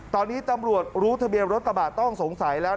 ตอนนี้ตำรวจรู้ทะเบียนรถกระบะต้องสงสัยแล้ว